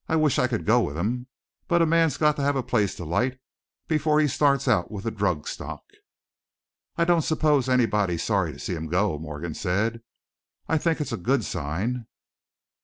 I wish I could go with him, but a man's got to have a place to light before he starts out with a drug stock." "I don't suppose anybody's sorry to see him go," Morgan said. "I think it's a good sign."